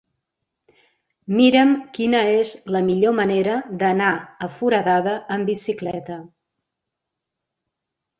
Mira'm quina és la millor manera d'anar a Foradada amb bicicleta.